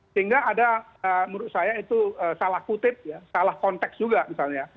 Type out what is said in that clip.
sehingga ada menurut saya itu salah kutip ya salah konteks juga misalnya